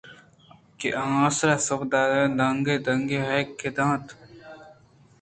کہ آ ہر سُہب دانگے دانگے ہئیک دئینت